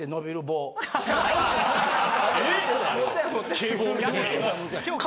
警棒みたいなやつ。